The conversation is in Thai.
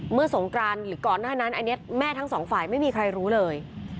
สงกรานหรือก่อนหน้านั้นอันนี้แม่ทั้งสองฝ่ายไม่มีใครรู้เลย